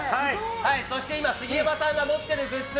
そして今、杉山さんが持ってるグッズ